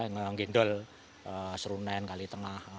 menggendol seru sembilan kali tengah